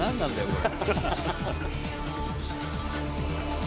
これ。